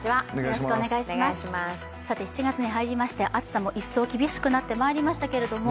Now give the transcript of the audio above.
７月に入りまして、暑さも一層厳しくなってまいりましたけれども